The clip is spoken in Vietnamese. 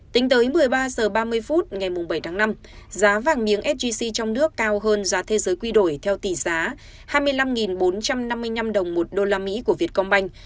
tính tới một mươi ba h ba mươi phút ngày bảy tháng năm giá vàng miếng sgc trong nước cao hơn giá thế giới quy đổi theo tỷ giá hai mươi năm bốn trăm năm mươi năm đồng một đô la mỹ của vietcombank